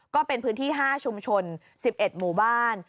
ก็เป็นพื้นที่๕ชุมชน๑๑หมู่บ้าน